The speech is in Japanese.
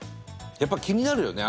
やっぱり気になるよね